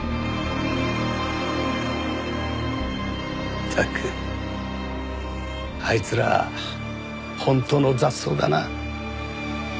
ったくあいつら本当の雑草だな。